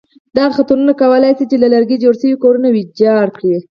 دغه خطرونه کولای شي له لرګي جوړ شوي کورونه ویجاړ کړي.